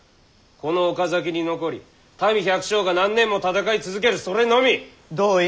この岡崎に残り民百姓が何年も戦い続けるそれのみ！同意！